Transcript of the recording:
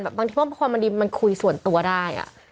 บางทีมันคุยส่วนตัวได้